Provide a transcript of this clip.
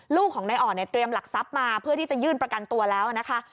ลูกของนายอ่อนเนี่ยเตรียมหลักทรัพย์มาเพื่อที่จะยื่นประกันตัวแล้วนะคะ